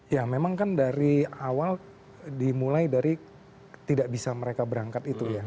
ya memang kan dari awal dimulai dari tidak bisa mereka berangkat itu ya